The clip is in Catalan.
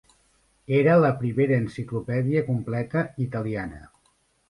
Era la primera enciclopèdia completa italiana.